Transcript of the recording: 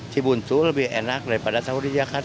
cibuntu lebih enak daripada tahu di jakarta